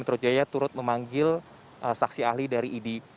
metro jaya turut memanggil saksi ahli dari idi